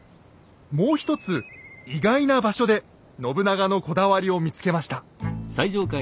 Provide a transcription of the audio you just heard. もう一つ意外な場所で信長のこだわりを見つけました。